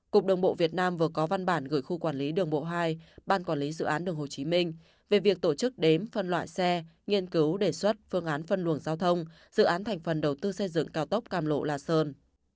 cục đường bộ việt nam vừa có văn bản gửi khu quản lý đường bộ hai ban quản lý dự án đường hồ chí minh về việc tổ chức đếm phân loại xe nghiên cứu đề xuất phương án phân luồng giao thông dự án thành phần đầu tư xây dựng cao tốc cam lộ la sơn